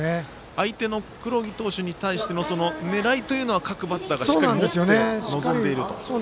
相手の黒木投手に対しての狙いというのは各バッターがしっかり持って、臨んでいると。